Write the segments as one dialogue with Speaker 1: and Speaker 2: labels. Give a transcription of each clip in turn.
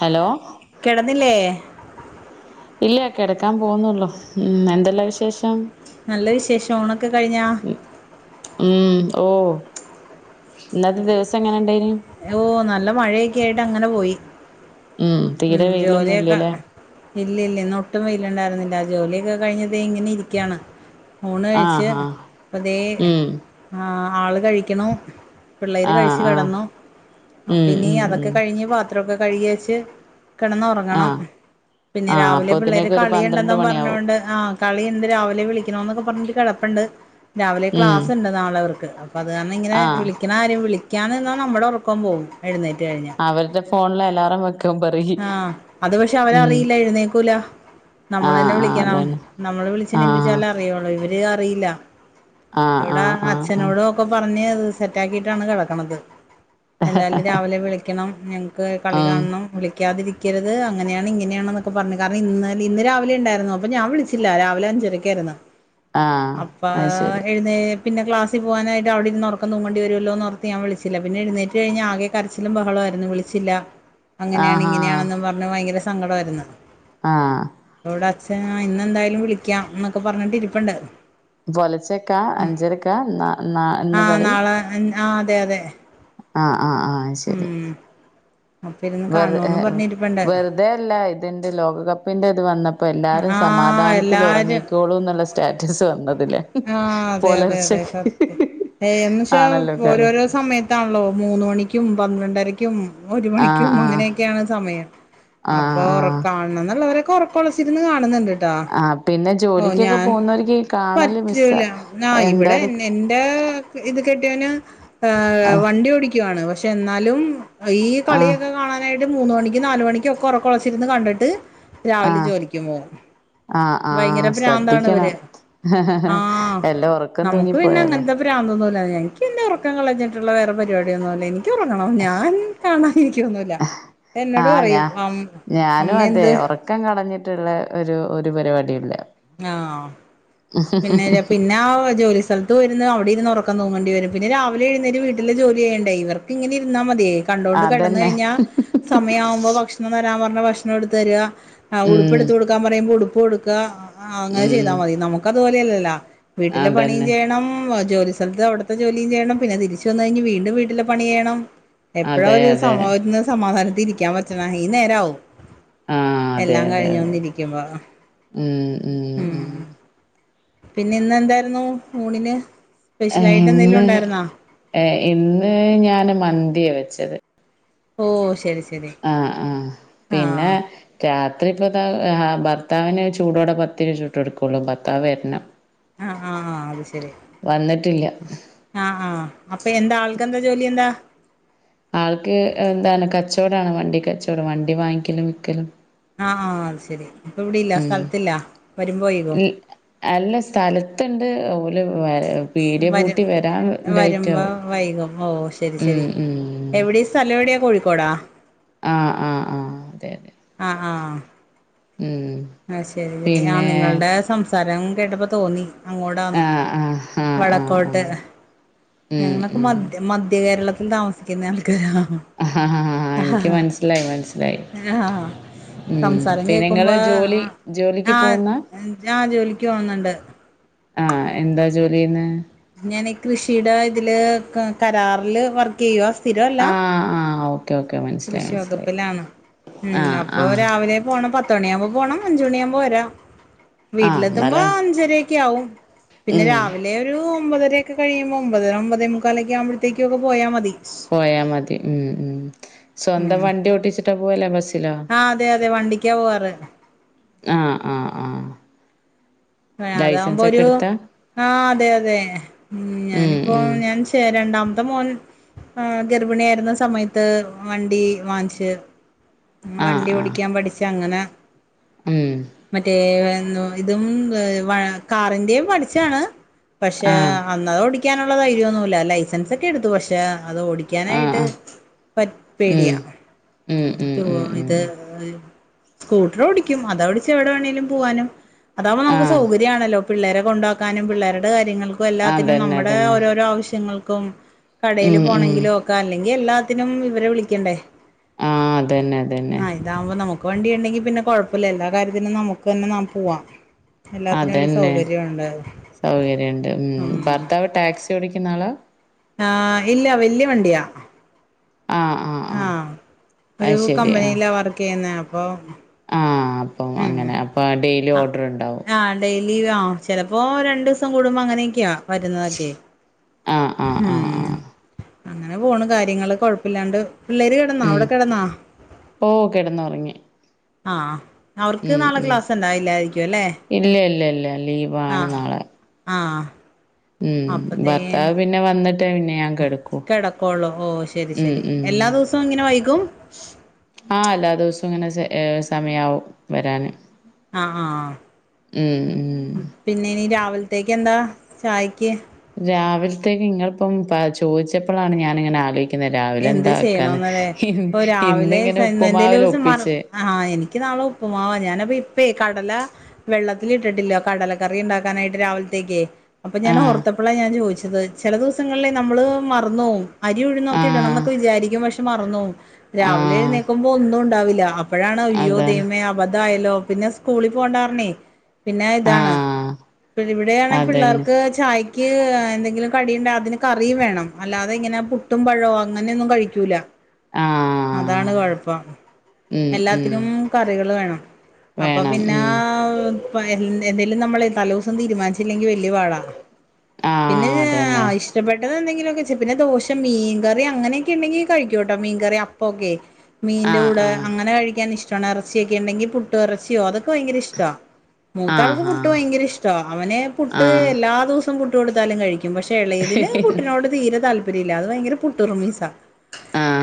Speaker 1: Hello
Speaker 2: കിടന്നില്ലേ?
Speaker 1: ഇല്ല കിടക്കാൻ പോകുന്നുള്ളൂ ഉം എന്തല്ലാ വിശേഷം?
Speaker 2: നല്ല വിശേഷം ഊ ണൊക്കെ കഴിഞ്ഞാ?
Speaker 1: ഉം ഓ ഇന്നത്തെ ദിവസം എങ്ങനെ ഉണ്ടായിരുന്നു?
Speaker 2: ഓ നല്ല മഴയൊക്കെ ആയിട്ട് അങ്ങനെ പോയി
Speaker 1: ഉം തീരെ വെയിലൊന്നും
Speaker 2: ജോലിയൊക്കെ
Speaker 1: ഇല്ലല്ലേ
Speaker 2: ഇല്ല ഇല്ല ഇന്ന് ഒട്ടും വെയില്ലണ്ടായിരുന്നില്ല ജോലിയൊക്കെ കഴിഞ്ഞു ദേ ഇങ്ങനെ ഇരിക്കയാണ്. ഉണ്
Speaker 1: ആ ഹാ
Speaker 2: കഴിച്ച്ഇപ്പ ദേ
Speaker 1: ഉം
Speaker 2: ആഹ് ആള് കഴിക്കണ പിള്ളേര്
Speaker 1: ആ
Speaker 2: കഴിച്ചു
Speaker 1: ആ
Speaker 2: കിടന്നു അപ്പ
Speaker 1: ഉം
Speaker 2: ഇനീ
Speaker 1: ഉം
Speaker 2: അതൊക്കെ
Speaker 1: ഉം
Speaker 2: കഴിഞ്ഞ് പാത്രമൊക്കെ കഴുകിയ വെച്ച് കിടന്നറങ്ങ
Speaker 1: ആ
Speaker 2: ണം പിന്നെ
Speaker 1: ആ
Speaker 2: രാവിലെ പിള്ളേര്
Speaker 1: അപ്പോത്തിനേക്ക് ഒരു പന്ത്രണ്ട്
Speaker 2: കളിണ്ടെന്നും
Speaker 1: മണിയാവും
Speaker 2: പറഞ്ഞോണ്ട് ആഹ് കളി എന്ത് രാവിലെ വിളിക്കണ എന്നൊക്കെ പറഞ്ഞിട്ട് കിടപ്പുണ്ട് രാവിലെ
Speaker 1: ഉം
Speaker 2: ക്ലാസ്ുണ്ട് നാളെ അവർക്ക് അപ്പൾ അത് കാരണം ഇങ്ങനെ
Speaker 1: ആ
Speaker 2: വിളിക്കുന്ന കാര്യം വിളിക്കാൻ നിന്നാ നമ്മുടെ ഉറക്കം പോകും എഴുന്നേറ്ററ്റ് കഴിഞ്ഞാൽ
Speaker 1: അവരുടെ ഫോണില അലാറം വെക്കെ
Speaker 2: ആഹ് അത് പക്ഷെ അവനറിയില്ല എഴുന്നേക്കൂല
Speaker 1: ആ
Speaker 2: നമ്മൾ തന്നെ
Speaker 1: ആ
Speaker 2: വിളിക്കണം
Speaker 1: അതാണ്
Speaker 2: നമ്മള് വിളിച്ച
Speaker 1: ആ
Speaker 2: എണീപ്പിച്ചാല അറിയുള്ളൂ ഇവര്ഇത് അറിയില്ല
Speaker 1: ആ ആ
Speaker 2: ഇവിടാ
Speaker 1: ആ ആ
Speaker 2: അച്ഛനോട ഒക്കെ പറഞ്ഞ് അത് സെറ്റ ആാക്കിട്ടാണ് കിടക്കണത് എന്തായാലും രാവിലെ വിളിക്കണം ഞങ്ങക്ക്
Speaker 1: ആ
Speaker 2: കളി കാണണം വിളി ക്കാതിരിക്കരുത് അങ്ങനെയാണ് ഇങ്ങനെയാണെന്നൊക്ക പറഞ്ഞു കാരണം ഇന്നലെ ഇന്ന് രാവിലെ ഉണ്ടായിരുന്നു അപ്പ ഞാ വിളിച്ച ഇല്ല രാവിലെ അഞ്ചര ക്കായിുന്നരുന്നു
Speaker 1: [inaudible]
Speaker 2: അപ്പാ
Speaker 1: അത് ശരി
Speaker 2: എഴുന്നേ പിന്നെ ക്ലസിൽപോ കാനായിട്ട് അവിടിരിന്നുറക്കം തൂങ്ണ്ടി വരുമല്ലന്നോർത്ത് ഞാൻ വിളിച്ചില്ല പിന്നെഴുന്നേ കഴിഞ്ഞാ ആകെ കരച്ചിലും ബഹളമായിരുന്നു വിളിച്ചില്ല
Speaker 1: ഉ [unintelligible]
Speaker 2: അങ്ങനെയാണ് ഇങ്ങനെയാണെന്നും പറഞ്ഞ് ഭയങ്കര സങ്കടമായിരുന്നു
Speaker 1: ആഹ്
Speaker 2: അവിട അച്ഛ ഇന്നെന്തായാലും വിളിക്കാം എന്നൊക്കെ പറഞൊണ്ട് ഇരിപ്പണ്ട്
Speaker 1: പുലച്ചക്ക് അഞ്ചരക്ക ന ന ഇന്ന് കളി
Speaker 2: ഞാ അതെ അതെ
Speaker 1: ആ് ആഹ് ആഹ ശരി
Speaker 2: ഉം അപ്പ ഇരുന്ന് കാണന്ന് പറഞ്ഞിട്ടപ്പണ്ട
Speaker 1: അതേല്ല ഇതിന്റെ ലോകകപ്പിന്റെ ഇത് വന്നപ്പോ എല്ലാരും
Speaker 2: ആഹ്
Speaker 1: സമാധാനത്തിൽ
Speaker 2: എല്ലാരും
Speaker 1: ഉറങ്ങിക്കോളൂ എന്നുള്ള, സ്റ്റാറ്റസ് വന്നതില്ലേ
Speaker 2: ആഹ് അതെ അതെ അതെ
Speaker 1: പുലർച്ചക്ക്
Speaker 2: സത്യം എന്നച്ചാ
Speaker 1: ആണല്ലോ കളി
Speaker 2: ഓരോരോ സമയത്താണല്ലോ മൂന്ന് മണിക്കും പന്ത്രണ്ടരക്കും ഒരു
Speaker 1: ആഹ്
Speaker 2: മണിക്കും
Speaker 1: ആഹ്
Speaker 2: അങ്ങനെയൊക്കെയാണ് സമയം
Speaker 1: ആഹ്
Speaker 2: അപ്പൊറ
Speaker 1: ആഹ്
Speaker 2: കാണണം എന്നുള്ളവരെെറക്കളച്ചിരുന്ന് കാണുന്നുണ്ട് ട്ടാ
Speaker 1: ആഹ് പിന്നെ
Speaker 2: ഓ
Speaker 1: ജോലിക്കൊക്കെ
Speaker 2: ഞാൻ
Speaker 1: പോകുന്നവർക്ക് കാണല് മിസ്സാ
Speaker 2: പറ്റൂല ന ഇവിടെ
Speaker 1: എന്തായാലും
Speaker 2: നിന്റെ ഇത് കെട്ടിയാന്
Speaker 1: ആഹ്
Speaker 2: വണ്ടി ഓടിക്കുവയാണ് പക്ഷെ എന്നാലും ഈ
Speaker 1: ആഹ്
Speaker 2: കളിയൊക്കെ കാണാനായിട്ട് മൂന്ന മണിക്കും നാല മണിക്കും ഒക്കെ ഉറക്കൊളച്ചിരുന്ന് കണ്ടിട്ട് രാവിലെ
Speaker 1: ആഹ്
Speaker 2: ജോലിക്കുപോം
Speaker 1: ആഹ്
Speaker 2: ഭയങ്കര
Speaker 1: ആഹ്
Speaker 2: പ്രാന്താണ് ഇവര്
Speaker 1: ശ്രദ്ധിക്കണം എല്ലാം ഉറക്കം തൂങ്ങി പോയാലേ
Speaker 2: പ്രാന്തൊന്നുമില്ലഎനിക്ക് എന്റെ ഉറക്കം കളഞ്ഞിട്ടുള്ള വേറെ പാടിയൊന്നുമില്ല എനിക്ക് ക്ക് ഉറങ്ങണം ഞാൻ കാണാൻ ഇരിക്കുവൊന്നല്ല എന്നോട്
Speaker 1: ആഹ്
Speaker 2: പറയുംആം അമ്മ എന്ത്
Speaker 1: ക്കം കളഞ്ഞിട്ടുള്ള ഒരു ഒരു പരിപാടില്ല
Speaker 2: ആഹ് പിന്നെ പി പിന്നെ അഹ് ജോലി സ്ഥലത്തു പോയിരുന്നു അവിടെ ഇരുന്ന് ഉറക്കം തൂ ങ്ങേണ്ടി വരും പിന്നെ രാവിലെഴുന്നേര് വീട്ടില് ജോലി ചെയ്യേണ്ടേ ഇവർക്ക് ഇങ്ങനെ ഇരുന്നാ മതേ കണ്ടോണ്ട് കെടന്ന്
Speaker 1: അതന്നെ
Speaker 2: കഴിഞ്ഞാ സമയമാവുമ്പോ ഭക്ഷണം തരാൻ പറഞ്ഞ ഭക്ഷണം എടുത്ത് തര്കാ ആഹ്
Speaker 1: ഉം
Speaker 2: ഉടുപ്പെടുത്ത് കൊടുക്കാൻ പറയുമ്പോ ഉടുപ്പ് കൊടുക്കുക ആ അങ്ങനെ
Speaker 1: ഉം
Speaker 2: ചെയ്താ മതി നമുക്ക്ത്പോലെയല്ലല്ലാ വീട്ടിലെ പണിയും
Speaker 1: അതന്നെ
Speaker 2: ചെയ്യണം ജോലി സ്ഥലത്ത് അവടത്തെ ജോലിം ചെയ്യണം പിന്നെ തിരിച്ച് വന്ന്കഴിഞ്ഞ് വീണ്ടും വീട്ടില് പണിചെയ്യണം എപ്പഴാ
Speaker 1: അതെ
Speaker 2: ഒരു
Speaker 1: അതെ
Speaker 2: സമ ഒന്ന് സമാധാനത്തി ഇരിക്കാൻ പറ്റണേ ഈ നേരവും
Speaker 1: ആഹ് അതെ
Speaker 2: എല്ലാം
Speaker 1: അതെ അതെ
Speaker 2: കഴിഞ്ഞൊന്നിരിക്കുമ്പോ ഉം പിന്നെ ഇന്ന് എന്താരുന്നു ഊണിന് സ്പെഷ്യലായിട്ട് എന്തെലും
Speaker 1: ഇന്ന്
Speaker 2: ഒണ്ടാരുന്നോ
Speaker 1: ഏഹ് ഇന്ന് ഞാൻ മന്തിയാ വെച്ചത്
Speaker 2: ഓഹ് ശെരി ശെരി
Speaker 1: ആഹ് ആഹ് പിന്നെ രാത്രി ഇപ്പതാ ഭർത്താവിന് ചൂടോടെ പത്തിരു ചൂട്ട് കൊടുക്കുള്ളൂ ഭർത്താവ് വര്ന്നം
Speaker 2: ആഹ് ആഹ് അത് ശെരി
Speaker 1: വന്നിട്ടില്ല
Speaker 2: ഉം ആഹ് ആ ഹ് അപ്പെ എന്താ ആൾക്കെന്താ ജോലി എന്താ?
Speaker 1: ആൾക്ക് എന്താണ് കച്ചോടവാണ് വണ്ടി കച്ചവടം വണ്ടി വാങ്ങിക്കലും വിക്കലും
Speaker 2: ആഹ് അത് ശെരി ഇപ്പ ഇവടില്ല
Speaker 1: ഉം.
Speaker 2: സ്ഥലത്തില്ല വരുമ്പോ വൈകോ
Speaker 1: ഇ അല്ല സ്ഥലത്ത്ണ്ട് ഓല് വരു പീടിയ
Speaker 2: വരും
Speaker 1: പൂട്ടി വരാൻ
Speaker 2: വരുമ്പോ
Speaker 1: ലെറ്റാവും
Speaker 2: വൈകും
Speaker 1: ഉം ഉം
Speaker 2: സ്ഥലവെടയാ കോഴിക്കോടാ
Speaker 1: ആഹ് ആഹ് ആഹ് അതെ അതെ
Speaker 2: ആഹ് ആഹ്
Speaker 1: ഉം
Speaker 2: അത് ശെരി ശെരി ആ
Speaker 1: പിന്നെ
Speaker 2: നിങ്ങൾടെ സംസാരം കേട്ടപ്പോ തോന്നി അങ്ങോട്ടാന്ന്
Speaker 1: ആഹ് ആഹ് ആഹ് ആഹ്
Speaker 2: വടക്കോട്ട്
Speaker 1: ആഹ്. ഉം
Speaker 2: ഞങ്ങളൊക്കെ
Speaker 1: ഉം.
Speaker 2: മധ്യ മധ്യ കേരളത്തിൽ താമസിക്കുന്ന ആൾക്കാരാ
Speaker 1: ആഹ് ഹാ
Speaker 2: ആഹ്
Speaker 1: എനിക്ക് മൻസ്സിലായി മൻസ്സിലായി
Speaker 2: ആഹ്
Speaker 1: ഉം
Speaker 2: സംസാരം
Speaker 1: പിന്നെ ഇങ്ങള്
Speaker 2: കേക്കുമ്പോ
Speaker 1: ജോലി ജോലിക്ക് പോവുന്ന
Speaker 2: ഞാ ജോലിക്ക് പോവുന്നോണ്ട്
Speaker 1: ആഹ് എന്താ ജോലിചെയ്യുന്നേ?
Speaker 2: ഞാനേ കൃഷിടെ ഇതില് കരാറില് വർക്ക് ചെയ്യുവാ സ്ഥിരവല്ല
Speaker 1: ആഹ് ആഹ് ഓക്കെ ഓക്കെ മ
Speaker 2: കൃഷി വകുപ്പിലാണ് ഉം അപ്പോ
Speaker 1: ആഹ്
Speaker 2: രാവിലെ പോണം പ ത്ത്ണിയാവുമ്പോ പോണം അഞ്ച് മണിയാവുമ്പോ വരാം
Speaker 1: ആഹ്
Speaker 2: വീട്ടിലെത്തുമ്പോ
Speaker 1: എന്നാലെ
Speaker 2: അഞ്ചരൊക്കെ ആവും പിന്നെ
Speaker 1: ഉം
Speaker 2: രാവിലെ ഒരു ഒമ്പതെരേക്കെ കഴിയുമ്പോ ഒമ്പതര ഒമ്പതേ മുക്കാലൊക്ക ആവുമ്പഴത്തേക്കോക്കെ പോയാ മതി
Speaker 1: പോയാ മതി ഉം ഉം സ്വന്തം
Speaker 2: ഉം
Speaker 1: വണ്ടി ഓട്ടിച്ചിട്ടാ പോവല് ബസ്സിലാ
Speaker 2: ആഹ് അതെ അതെ വണ്ടിക്കാ പോവാറ്
Speaker 1: ആഹ് ആഹ് ആഹ്
Speaker 2: അതാകുമ്പോ
Speaker 1: ലൈസൻസ് ഒക്കെ
Speaker 2: ഒരു
Speaker 1: എടുത്താ
Speaker 2: ആഹ് അതെ അതെ
Speaker 1: ഉം
Speaker 2: ഞാനിപ്പോ
Speaker 1: ഉം
Speaker 2: ഞാൻ രണ്ടാമത്തെ മോൻ ആഹ് ഗർഭിണി ആരുന്ന സമയത്ത് വണ്ടി വാങ്ങിച്ച്
Speaker 1: ആഹ്
Speaker 2: വണ്ടി
Speaker 1: ആഹ്
Speaker 2: ഓടിക്കാൻ പഠിച്ചങ്ങനെ
Speaker 1: ഉം
Speaker 2: മറ്റേ ഏഹ് ഇതും കാറിന്റേം പഠിച്ചാണ് പഷേ
Speaker 1: ആഹ്
Speaker 2: അന്നത് ഓടിക്കാനുള്ള ധൈര്യന്നുവില്ല ലൈസൻസ് ഒക്കെ എടുത്തു പഷേ അത് ഓടി
Speaker 1: ആഹ്
Speaker 2: ക്കാനായിട്ട്
Speaker 1: ആഹ്
Speaker 2: പറ്റ്
Speaker 1: ഉം
Speaker 2: പേടിയാ
Speaker 1: ഉം ഉം
Speaker 2: റ്റുവോ
Speaker 1: ഉം
Speaker 2: ഇത്
Speaker 1: ഉം
Speaker 2: സ്കൂട്ടർ ഓടിക്കും അതോടിച്ച് എവിടെ വേണെലും പോവാനും അതാവുമ്പോ നമക്ക്
Speaker 1: ആഹ്
Speaker 2: സകര്യവാണല്ലോ പിള്ളേരെ കൊണ്ടാക്കാനും പിള്ളേരുടെ കാര്യങ്ങൾ ക്കും എല്ലാത്തിനും
Speaker 1: അതന്നെ
Speaker 2: നമ്മുടെ
Speaker 1: അതന്നെ
Speaker 2: ഓരോരോ ആവശ്യങ്ങൾക്കും കടേല്
Speaker 1: ഉം ഉം
Speaker 2: പോണങ്കിലോ ക്ക അല്ലെങ്കിൽ എല്ലാത്തിനും ഇവരെ വിളിക്കണ്ടേ
Speaker 1: ആഹ് അതന്നെ. അതന്നെ
Speaker 2: ആഹ് ഇതാവുമ്പോ നമുക്ക് വണ്ടി ഉണ്ടെങ്കി പിന്നെ കുഴപ്പമില്ല എല്ലാ കാര്യത്തിനും നമുക്ക് തന്നെ ന്നപോവാം
Speaker 1: അതന്നെ സൗകര്യണ്ട് ഉും
Speaker 2: ഉം
Speaker 1: ഭർത്താവ് ടാക്സി ഓടിക്കുന്നാളാ?
Speaker 2: ആഹാ ഇല്ല വല്യവണ്ടിയാ
Speaker 1: ആഹ് ആഹ് ആഹ്
Speaker 2: ആഹാ ഒരു
Speaker 1: അത് ശരി
Speaker 2: കമ്പനിയിലാ വർക്ക് ചെയ്യുന്നേ അപ്പൊ
Speaker 1: ആഹാ അപ്പം
Speaker 2: ഉം
Speaker 1: അങ്ങനെ അപ്പ ഡെയിലി ഓർഡർ ഉണ്ടാവും.
Speaker 2: ഡെയിലീ ആഹ. ചിലപ്പോ രണ്ടുസം കൂടുമ്പോ അങ്ങനെക്കെയാ വരുന്നതൊക്കെ.
Speaker 1: ആഹ് ആഹ്
Speaker 2: ഹും
Speaker 1: ആഹ് ആഹ്
Speaker 2: അങ്ങനെപോണ്കാര്യങ്ങള് കൊഴപ്പില്ലാണ്ട്. പിള്ളേര് കെടന്നാ
Speaker 1: ഉം
Speaker 2: അവടെ കെടന്നാ
Speaker 1: ഓ കിടന്നുറങ്ങി
Speaker 2: ആഹ് അവർക്ക്
Speaker 1: ഉം
Speaker 2: നാളെ
Speaker 1: ഉം
Speaker 2: ക്ലാസ് ഉണ്ടാല്ലായിരിക്കും അല്ലേ?
Speaker 1: ഇല്ല ഇല്ല ഇല്ല ലീവാണ്
Speaker 2: ആഹാ ആഹാ
Speaker 1: ഉും ഭർത്താവ് പിന്നെ വന്നിട്ട് പിന്നെയാ
Speaker 2: കെടക്കോള്ളൂ ഓ ശെരി
Speaker 1: ഉം
Speaker 2: ശെരി.
Speaker 1: ഉം
Speaker 2: എല്ലാ ദിവസവും ഇങ്ങനെ വൈകും.
Speaker 1: ആഹാ എല്ലാ ദിവുസംങ്ങനെ സമയാവും വരാന്
Speaker 2: ആഹ ആഹാ
Speaker 1: ഉം ഉം
Speaker 2: പിന്നെനിരാവിൽത്തേക്കെന്താ ചായയ്ക്ക്‌
Speaker 1: രാവിൽത്തേക് ഇങ്ങളിപ്പം പാ ചോയിച്ചപ്പളാണ് ഞാനിങ്ങനെ ആലോയ് ന്ന് രാവിലെ
Speaker 2: എന്ത്
Speaker 1: എന്താക്കാന്ന്
Speaker 2: ചെയ്യണോന്നല്ലേ
Speaker 1: ഇന്ന്
Speaker 2: ഇപ്പൊ
Speaker 1: ഇന്നിങ്ങനെ ഉപ്പുമാവില് ഒപ്പിച്ച്
Speaker 2: ആഹാ എനിക്ക് നാളെ ഉപ്പുമാവാ. ഞാനെപി പ്പേ കടല വെള്ളത്തിലിട്ടിട്ടില്ല കടലക്കറി ഉണ്ടാക്കാനായിട്ട് രാവിൽത്തേക്ക്‌ അപ്പൊ ഞാൻ
Speaker 1: ആഹ്
Speaker 2: ഓർത്തപ്പോള ഞാൻ ചോയിച്ചത് ചില ദിവസങ്ങളിലിൽ നമ്മള് മറന്നോവും അരി ഉഴുന്ന്
Speaker 1: ആഹ്
Speaker 2: ഒക്കിടണന്നൊക്കെ വിചാരിക്കും. പക്ഷെ മറന്നോവും. രാവിലെ
Speaker 1: ആഹ്
Speaker 2: എഴുന്നേക്കുമ്പോ ഒന്നുണ്ടാവില്ല. അപ്പോഴാണ് അയ്യോ
Speaker 1: അതാണ്
Speaker 2: ദൈവമേ അബദ്ധായല്ലോ? പിന്നെ സ്കൂളിൽ പോണ്ടാർണേ പിന്നെ ഇതാണ്
Speaker 1: ആഹ്
Speaker 2: പടിവിടാണ്
Speaker 1: അതന്നെ
Speaker 2: പിള്ളേർക്ക് ചായ്ക്ക് എന്തെങ്കിലും കടിയുണ്ടായ അതിന് കറിയും വേണം. അല്ലാതെ ഇങ്ങനെ പുട്ടുംപഴോ? ഓ അങ്ങനെയൊന്നും കഴിക്കൂല അതാണ്
Speaker 1: ആഹ്
Speaker 2: കൊഴപ്പം
Speaker 1: ഉം ഉം
Speaker 2: എല്ലാത്തിനും. കറികൾ വേണം അപ്പ
Speaker 1: വേണം ഉം
Speaker 2: പിന്നാഅഹ് പ എന്തെലും നമ്മള് തലോസം തീരുമാനി ച്ച്ല്ലെങ്കിൽ വല്യ പാടാ പിന്നെ
Speaker 1: ആഹ്
Speaker 2: ന്ന
Speaker 1: അതന്നെ
Speaker 2: ആയിഷ് ഇഷ്ടപ്പെട്ടത് എന്തങ്കിലുക്കെ പിന്നെ ദോശ മീൻ കറി അങ്ങനൊക്കെണ്ടെങ്കി കഴിക്കോട്ടോ മീൻകറി അപ്പൊക്കെ മീന്റെ
Speaker 1: ആഹ്
Speaker 2: കൂടെ
Speaker 1: ആഹ്
Speaker 2: അങ്ങനെ കഴിക്കാൻ ഇഷ്ട ചണ എറച്ചിയൊക്കെണ്ടെങ്കിൽ പുട്ട് എറച്ചിയോ അതൊ ൻക്ക് ഭയങ്കര ഇഷ്ട. മൂത്താൾക്ക്
Speaker 1: ആഹ് ആഹ്
Speaker 2: പുട്ട് ഭയങ്കര ഇഷ്ടാ. അവനെ
Speaker 1: ആഹ്
Speaker 2: പുട്ട്
Speaker 1: ആഹ്
Speaker 2: എല്ലാ ദിവസ് എപ്പം പുട്ട് കൊടുത്താലും കഴിക്കും. പക്ഷെ എളയതിന് പുട്ടിനോട് തീരെ താല്പര്യമില്ല. അത് ഭയങ്കര പുട്ടുറുമീസ്സാ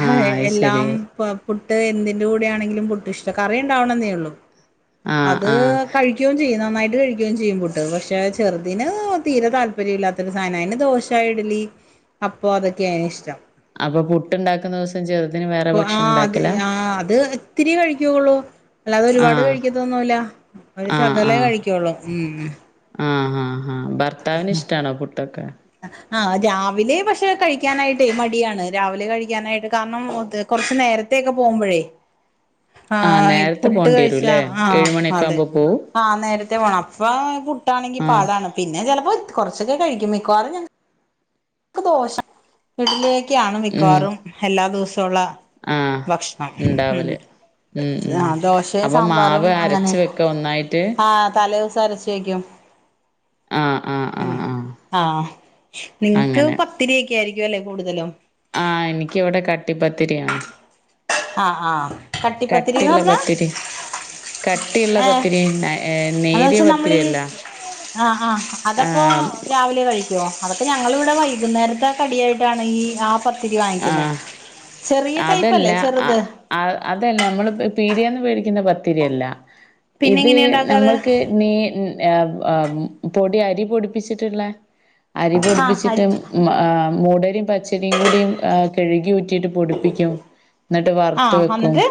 Speaker 2: ഹയെ
Speaker 1: അത് ശരി
Speaker 2: എല്ലാം പ പുട്ട് എന്തിന്റെ കൂടെയാണെങ്കിലും പുട്ട് ഇഷ്ടം. കറി ഉണ്ടാവണന്നേള്ളൂ
Speaker 1: ആഹ്
Speaker 2: അത്
Speaker 1: ആഹ്
Speaker 2: കഴി കഴിക്കും ചെയ്യും. നന്നായിട്ട് കഴിക്കേും ചെയ്യും പുട്ട്. പക്ഷെ ചെറ്തിന് തീരെ താല്പര്യയില്ലാത്തൊരു സാനാ അയിന് ദോഷ് ശാ ഇഡലി അപ്പോ അതൊക്കെയാ അയിനിഷ്ടം.
Speaker 1: അപ്പൊ പുട്ടുണ്ടാക്കുന്ന ദിവസം. ചെറിതിന് വേറെ ഭക്ഷണം ഉണ്ടാക്കലാ?
Speaker 2: ആഹാഅത് ഇത്തിരി കഴിക്കൂ ഉള്ളൂ അല്ലാതെ ഒരുപാട്
Speaker 1: ആഹ്
Speaker 2: കഴിക്കത്തൊന്നൂല്ലാ ഒരു ശകലേ കഴിക്കുള്ളൂ ഉും ഉും
Speaker 1: ആഹ ആഹ ആഹാ ഭർത്താവിനിഷ്ടാണോ പുട്ടൊക്കെ?
Speaker 2: ആഹ രാവിലെ പക്ഷേ കഴിക്കാനായിട്ടേ മടിയാണ് രാവിലെ കഴിക്കാനായിട്ട് കാരണം മുത് കുറച്ച് നേരത്തേക്കെ പോമ്പഴേ
Speaker 1: ആഹാ നേരത്തെ പോണ്ടിരുല്ലേ? ഏഴുമണിയൊക്കെ ആവുമ്പോ പോ
Speaker 2: ആഹാ നേരത്തെ പോണം അപ്പം പുട്ടാണെങ്കില്
Speaker 1: ആഹ്
Speaker 2: പടാണ്. പിന്നെ ചിലപ്പോ കൊറച്ചൊക്കെ കഴിക്കും മിക്കവാറ് ഞങ്ങക്ക്‌ ദോഷ ഇഡലിയൊക്കെയാണ്
Speaker 1: ഉം
Speaker 2: മിക്കവാറും എല്ലാ ദിവസോള്ള
Speaker 1: ആഹ്
Speaker 2: ഭക്ഷണം ഉഹും
Speaker 1: ഇണ്ടാവല് ഉം ഉം
Speaker 2: ആ ദോശ
Speaker 1: അപ്പൊ
Speaker 2: സാമ്പാറും
Speaker 1: മാവ്
Speaker 2: അങ്ങനെ
Speaker 1: അരച്ച് വെക്ക ഒന്നായിട്ട്
Speaker 2: ആ തലേ ദിവസം അരച്ച് തേക്കും.
Speaker 1: ആഹാ ആഹാ
Speaker 2: ഉും ആഹ് നിക്ക്
Speaker 1: അങ്ങനെ
Speaker 2: പത്തിരിക്കെ ആയിരിക്കും അല്ലേ കൂടുതലും
Speaker 1: ആഹ് എനിക്കിവിടെ കട്ടിപ്പത്തിരിയാണ്.
Speaker 2: ആഹ് ആഹ് കട്ടിപ്പത്തിരീന്ന്
Speaker 1: കട്ടിയുള്ള
Speaker 2: പറഞ്ഞാ?
Speaker 1: പത്തിരി കട്ടിയുള്ള
Speaker 2: ഏഹ്
Speaker 1: പത്തിരി
Speaker 2: എന്ന്
Speaker 1: നേരിയ
Speaker 2: വെച്ചാ
Speaker 1: പത്തിരി
Speaker 2: നമ്മളീ
Speaker 1: അല്ലാ-
Speaker 2: ആഹ് ആഹ് അതപ്പോ രാവിലെ കഴി അതൊക്കെ ഞങ്ങളിവിടെ വൈകുന്നേരത്തെ കടിയായിട്ടാണ് ഈ ആഹ് പത്തി പത്തിരി വാങ്ങിക്കുന്നേ
Speaker 1: ആഹ്
Speaker 2: ചെറിയ ടൈപ്പല്ലേ ചെറുത്-
Speaker 1: ആഹ് അതല്ല നമ്മൾ പീടിയെന്ന് മേടിക്കുന്ന പത്തിരിയല്ല
Speaker 2: പിന്നെ
Speaker 1: ഇത്
Speaker 2: എങ്ങനെയാ ഉണ്ടാക്കാറ്
Speaker 1: നമ്മൾക്ക് നീ ആഹ് ആഹ് പൊടി അരി പൊടിപ്പിച്ചിട്ടുള്ളേ അരി
Speaker 2: ആഹ് ഹരി
Speaker 1: പൊടിപ്പിച്ചിട്ടും മ്മ് ആഹ് മൂടരിയും പച്ചരിയും കൂടിയും. ആഹ് കഴുകി ഊറ്റിയിട്ട് പൊടിപ്പിക്കും എന്നിട്ട് വറുത്ത്
Speaker 2: ആഹ്
Speaker 1: വെക്കും-
Speaker 2: അന്നിട്ട്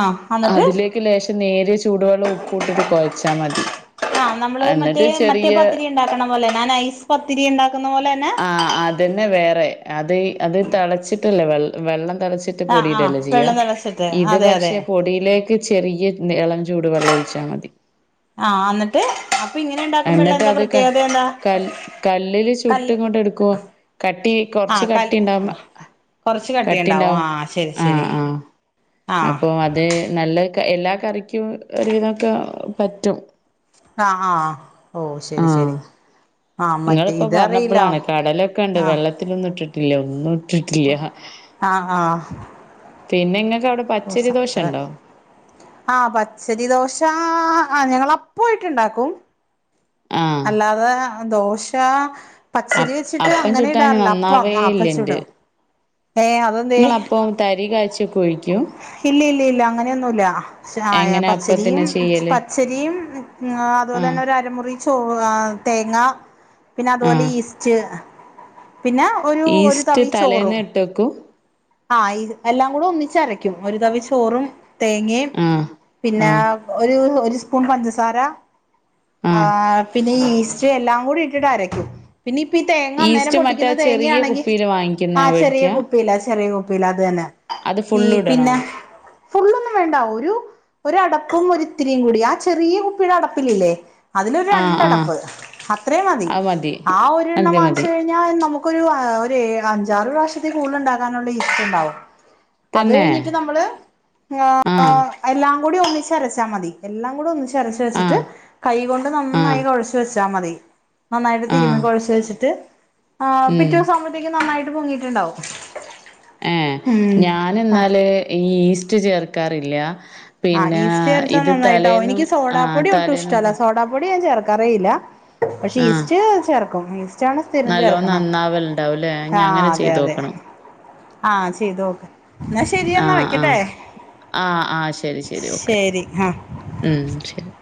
Speaker 2: ആഹ് അന്നിട്ട്
Speaker 1: അതിലേക്ക് ലേശം നേരിയ ചൂടുവെള്ളവും ഉപ്പ് ഇട്ടിട്ട് കൊഴച്ചാ മതി-
Speaker 2: ആഹ് നമ്മള് മറ്റേ
Speaker 1: എന്നിട്ട്
Speaker 2: മറ്റേ
Speaker 1: ചെറിയ
Speaker 2: പത്തിരി ഉണ്ടാക്കണ പോലന്നെ ആ നൈസ് പത്തിരി ഉണ്ടാക്കുന്ന പോലന്നെ-
Speaker 1: ആഹ് അതന്നെ വേറെ അത് അത് തിളച്ചിട്ടില്ലേ വെൾ വെള്ളം തെളച്ച് ട്ട്
Speaker 2: ആഹ് ആഹ്
Speaker 1: പൊടിയിടല്ലേ ചെയ്യാ
Speaker 2: വെള്ളം തിളച്ചിട്ട്
Speaker 1: ഇത്
Speaker 2: അതെ അതെ
Speaker 1: പക്ഷെ പൊടിയിലേക്ക് ചെറിയെ എന്തേ എളം ചൂട് വെള്ളം ഒഴിച്ചാ മതി.
Speaker 2: ആഹ് അന്നിട്ട് അപ്പൊ ഇങ്ങനെ ഉണ്ടാക്കുമ്പോള്ള
Speaker 1: എന്നിട്ട്
Speaker 2: എന്താ
Speaker 1: അത് ക
Speaker 2: പ്രത്യേകത എന്താ? ക
Speaker 1: ട്ട് ഇങ്ങോട്ട് എടുക്കുവോ കട്ടി കൊറച്ച്
Speaker 2: കല്ല്
Speaker 1: കട്ടിയുണ്ടാവുമ്പ
Speaker 2: കൊറച്ച് കട്ടിയുണ്ടാവും
Speaker 1: കട്ടിണ്ടാവും
Speaker 2: ആഹ് ശരി
Speaker 1: ആഹ്
Speaker 2: ശരി
Speaker 1: ആഹ്
Speaker 2: ആഹ്
Speaker 1: അപ്പൊ അത് നല്ല ക എല്ലാ കറിക്കും ഒരു വിധോക്കെ പറ്റും.
Speaker 2: ആഹ് -ആഹ് ഓ ശരി
Speaker 1: ആഹ്
Speaker 2: ശരി- ആഹ് മറ്റേ
Speaker 1: നിങ്ങളിപ്പോ
Speaker 2: ഇതറിയില്ല
Speaker 1: പറഞ്ഞപ്പളാണ് കടലൊക്കെ ഉണ്ട്
Speaker 2: ആഹ്
Speaker 1: വെള്ളത്തിലൊന്നും ഇട്ടിട്ടില്ല ഒന്നും ഇട്ടിട്ടില്ല്യാ
Speaker 2: ആഹ് -ആഹ്
Speaker 1: പിന്നെ നിങ്ങക്ക് അവിടെ? പച്ചരി ദോശ
Speaker 2: ഓസതറേ
Speaker 1: ഉണ്ടോ
Speaker 2: ആഹ് പച്ചരി ദോശ ആഹ് ഞങ്ങള് അപ്പായിട്ട് ഉണ്ടാക്കും.
Speaker 1: ആഹ്
Speaker 2: അല്ലാതെ ദോശ പച്ചരി
Speaker 1: അപ്
Speaker 2: വെച്ചിട്ട്
Speaker 1: അപ്പം
Speaker 2: അങ്ങനെ
Speaker 1: ചുട്ടാന്
Speaker 2: ഇടാറില്ല
Speaker 1: നന്നാവേ
Speaker 2: അപ്പം ആഹ് അപ്പ ചുടും. ഏഹ് അതൊ
Speaker 1: നിങ്ങള് അപ്പം തരി കായ്ച്ചൊക്കെ ഒഴിക്കും?
Speaker 2: ഇല്ലില്ലില്ല അങ്ങനെയൊന്നു ഇല്ല- ശ ആയ
Speaker 1: എങ്ങനെ
Speaker 2: പച്ചരിയും
Speaker 1: അപ്പത്തിന് ചെയ്യല്
Speaker 2: പച്ചരിയും ആഹ് അതുപോലെ തന്നെ ഒരു അരമുറി ചോവാ തേങ്ങ പിന്നെ അതുപോലെ
Speaker 1: ആഹ്
Speaker 2: ഈസ്റ്റ് പിന്നെ ഒരു ഒരു തവി ചോറും.
Speaker 1: വെക്കും-
Speaker 2: ആഹ് ഇത് എല്ലാം കൂടെ ഒന്നിച്ചരയ്ക്കും ഒരു തവി ചോറും തേങ്ങയും
Speaker 1: ആഹ്
Speaker 2: പിന്നെ
Speaker 1: ആഹ്
Speaker 2: ഒരു ഒരു സ്പൂൺ പഞ്ചസാര ആഹ് പിന്നെ ഈ ഈസ്റ്റ് എല്ലാം കൂടി ഇട്ടിട്ട് അരക്കും. പിന്നെ ഇപ്പ ഈ തേങ്ങ അന്നേരം
Speaker 1: ഈസ്റ്റ് മറ്റേ
Speaker 2: പൊട്ടിക്കുന്ന
Speaker 1: ആ ചെറിയ
Speaker 2: തേങ്ങയാണെങ്കി
Speaker 1: കുപ്പിയില് വാങ്ങിക്കുന്ന
Speaker 2: ആ
Speaker 1: അവ്
Speaker 2: ചെറിയ കുപ്പിയിലെ ചെറിയ കുപ്പിയിലെ അത് തന്നെ
Speaker 1: അത്
Speaker 2: ഈ
Speaker 1: ഫുള്ള് ഇടണോ
Speaker 2: പിന്നെ ഫുള്ളൊന്നും വേണ്ട ഒരു ഒരടപ്പും ഒരിത്തിരിയും കൂടി ആഹ് ചെറിയ കുപ്പിയുടെ അടപ്പിലില്ലേ? അതിലൊരു
Speaker 1: ആഹ് ആഹ്
Speaker 2: രണ്ടടപ്പ് അത്രേം മതി ആഹ് ഒരെണ്ണം
Speaker 1: മതി മതി
Speaker 2: വാങ്ങിച്ച് കഴി ഞാൻ നമുക്കൊരു ആഹ് ഒരേ അഞ്ചാറ് പ്രാവശ്യത്തി കൂടല് ഉണ്ടാക്കാനുള്ള ഈസ്റ്റുണ്ടാവും. അത്
Speaker 1: തന്നെ
Speaker 2: കഴിഞ്ഞിട്ട് നമ്മള് ആഹ് എല്ലാം കൂടി ഒന്നിച്ച് അരച്ചാ മതി എല്ലാം കൂടെ ഒന്നിച്ച് അരച്ച് വെച്ചിട്ട്
Speaker 1: ആഹ്
Speaker 2: കൈകൊണ്ട് നന്നായി
Speaker 1: ആഹ്
Speaker 2: കൊഴച്ചു വെച്ചാ മതി. നന്നായിട്ട് തിരുമി
Speaker 1: ആഹ്
Speaker 2: കൊഴച്ച് വെച്ചിട്ട്
Speaker 1: ഉം
Speaker 2: പിറ്റേസം ആവുമ്പത്തേക്ക് നന്നായിട്ട് പൊങ്ങിയിട്ടുണ്ടാവും. [unintelligible]
Speaker 1: ഏഹ്
Speaker 2: ഉം ആ
Speaker 1: ഞാനിന്നാല് ഈ ഈസ്റ്റ് ചേർക്കാറില്ല-
Speaker 2: ആഹ്
Speaker 1: പിന്നെ
Speaker 2: ഈസ്റ്റ് ചേർത്ത
Speaker 1: ഇത്
Speaker 2: നന്നായിട്ടാവും
Speaker 1: തലേന്നും
Speaker 2: എനിക്ക്
Speaker 1: ആഹ്
Speaker 2: സോഡാപ്പൊടി ഒട്ടും
Speaker 1: തലേന്നും പ
Speaker 2: ഇഷ്ടല്ല സോഡാപ്പൊടി ഞാൻ ചേർ ക്കറിയില്ല പക്ഷെ
Speaker 1: ആഹ്.
Speaker 2: ഈസ്റ്റ് ചേർക്കും ഈസ് റ്റാണ് സ്ഥിരം
Speaker 1: നല്ലോം
Speaker 2: ചേർക്കണം
Speaker 1: നന്നാവല്ണ്ടാവുംല്ലേ? ഇഞ്ഞി
Speaker 2: ആഹ്
Speaker 1: അങ്ങനെ
Speaker 2: അതെ അതെ
Speaker 1: ചെയ്തോക്കണം.
Speaker 2: ആഹ് ചെയ്തോക്ക് എന്നാ ശെരിയന്നാ വെക്കട്ടെ
Speaker 1: ആ -ആഹ് ശരി ശരി ഓക്കെ ഉം ശരി